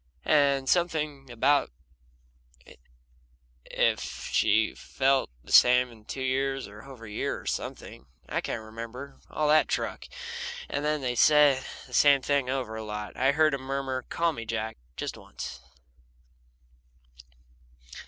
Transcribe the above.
And something about if she felt the same in two years, or a year, or something I can't remember all that truck and they said the same thing over a lot. I heard him murmur: "Call me Jack, just once."